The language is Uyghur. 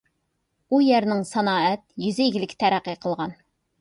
ئۇ يەرنىڭ سانائەت، يېزا ئىگىلىكى تەرەققىي قىلغان.